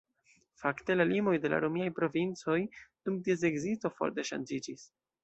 Fakte la limoj de la romiaj provincoj dum ties ekzisto forte ŝanĝiĝis.